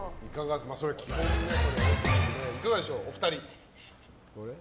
いかがでしょう、お二人。